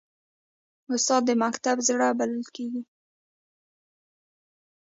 استاد د مکتب زړه بلل کېږي.